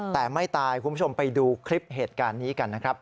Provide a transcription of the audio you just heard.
แต่ไม่ตายคุณผู้ชมไปดูคลิปเหตุการณ์นี้กันนะครับ